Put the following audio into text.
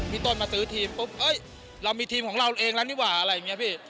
ต้นมาซื้อทีมปุ๊บเรามีทีมของเราเองแล้วนี่หว่าอะไรอย่างนี้พี่